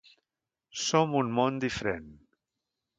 Som un món diferent.